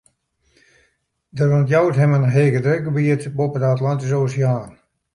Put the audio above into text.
Der ûntjout him in hegedrukgebiet boppe de Atlantyske Oseaan.